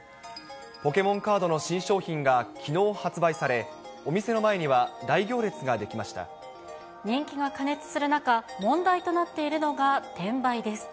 ポケモンカードの新商品がきのう発売され、お店の前には大行列が人気が過熱する中、問題となっているのが転売です。